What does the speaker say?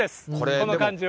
この感じは。